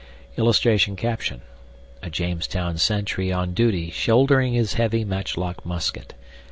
[Illustration: A JAMESTOWN SENTRY ON DUTY SHOULDERING HIS HEAVY MATCHLOCK MUSKET.